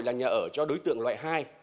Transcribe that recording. là nhà ở cho đối tượng loại hai